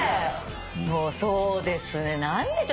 そうですね何でしょう。